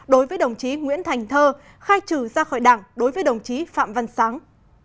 đối với đồng chí nguyễn thành thơ khai trừ ra khỏi đảng đối với đồng chí phạm văn sáng